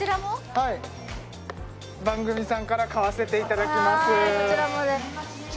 はい番組さんから買わせていただきますじゃ